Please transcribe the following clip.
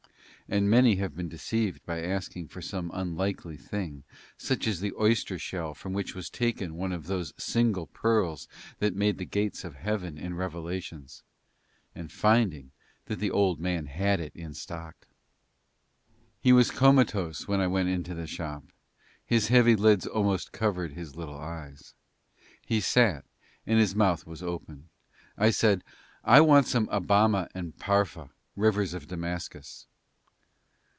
And many have been deceived by asking for some unlikely thing, such as the oyster shell from which was taken one of those single pearls that made the gates of Heaven in Revelations, and finding that the old man had it in stock. He was comatose when I went into the shop, his heavy lids almost covered his little eyes; he sat, and his mouth was open. I said, "I want some of Abama and Pharpah, rivers of Damascus."